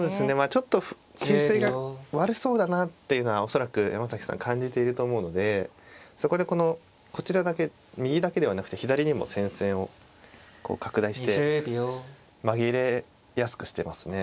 ちょっと形勢が悪そうだなっていうのは恐らく山崎さん感じていると思うのでそこでこのこちらだけ右だけではなくて左にも戦線を拡大して紛れやすくしてますね。